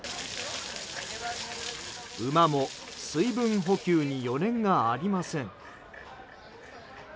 馬も水分補給に余念がありません。